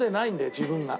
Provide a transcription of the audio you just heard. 自分が。